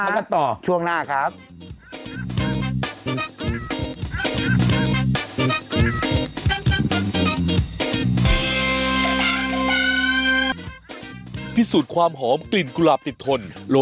เดี๋ยวกลับมากันต่อ